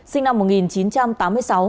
sinh năm một nghìn chín trăm tám mươi sáu